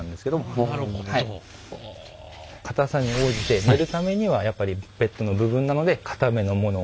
硬さに応じて寝るためにはやっぱりベッドの部分なので硬めのものを。